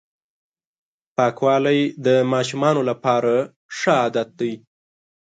پاکوالی د ماشومانو لپاره ښه عادت دی.